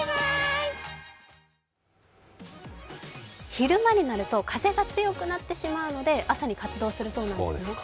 昼間になると風が強くなってしまうので朝に活動するそうなんですね。